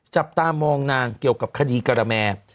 จับตามองนางเกี่ยวกับคดีการะแม